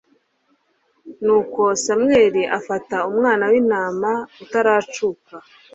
nuko samweli afata umwana w'intama utaracuka